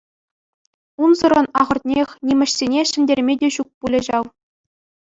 Унсӑрӑн, ахӑртнех, нимӗҫсене ҫӗнтерме те ҫук пулӗ ҫав.